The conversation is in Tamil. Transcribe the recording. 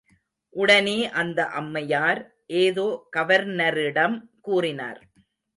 உடனே அந்த அம்மையார் ஏதோ கவர்னரிடம் கூறினார்.